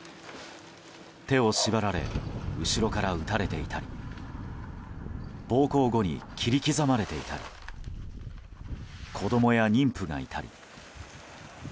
手を縛られ後ろから撃たれていたり暴行後に切り刻まれていたり子供や妊婦がいたり。